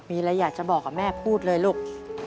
มีอะไรอยากจะบอกกับแม่พูดเลยลูก